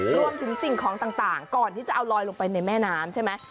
สิ่งของต่างก่อนที่จะเอาลอยลงไปในแม่น้ำใช่ไหม